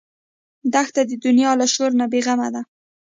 دښته د دنیا له شور نه بېغمه ده.